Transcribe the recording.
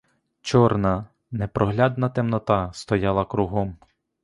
Чорна, непроглядна темнота стояла кругом.